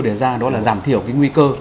để giảm thiểu nguy cơ